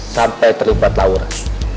sampai terlibat lauran